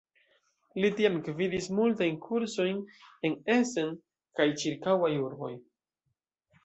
Li tiam gvidis multajn kursojn en Essen kaj ĉirkaŭaj urboj.